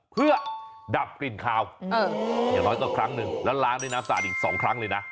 เพื่อดับกลิ่นคาวอย่างน้อยก็ครั้งหนึ่งแล้วล้างด้วยน้ำสะอาดอีก๒ครั้งเลยนะ